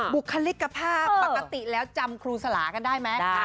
บุคลิกภาพปกติแล้วจำครูสลากันได้ไหม